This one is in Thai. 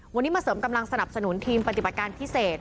วันนี้มาเสริมกำลังสนับสนุนทีมปฏิบัติการพิเศษ